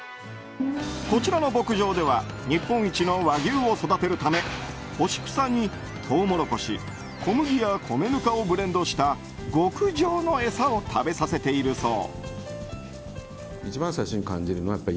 こちらの牧場では日本一の和牛を育てるため干し草にトウモロコシ、小麦や米ぬかをブレンドした極上の餌を食べさせているそう。